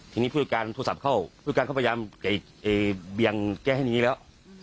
ทีนี้ภูมิการโทรศัพท์เข้าภูมิการเข้าพยายามเก๋เอ่ยเบียงแก้ให้นี้แล้ว